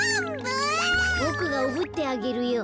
ボクがおぶってあげるよ。